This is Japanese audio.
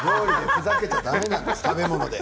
ふざけちゃだめなんですよ、食べ物で。